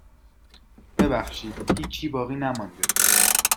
ببخشید هیچی باقی نمانده.